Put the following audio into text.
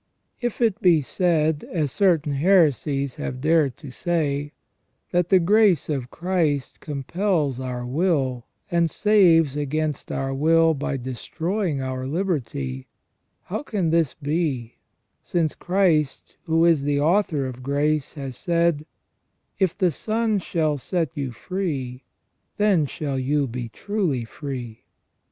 If it be said, as certain heresies have dared to say, that the grace of Christ compels our will, and saves against our will by destroying our liberty, how can this be, since Christ, who is the author of grace, has said :" If the Son shall set you free, then shall you be truly firee